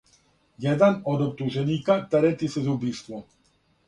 Један од оптуженика терети се за убиство.